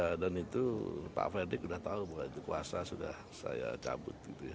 ya dan itu pak fredrik sudah tahu bahwa itu kuasa sudah saya cabut gitu ya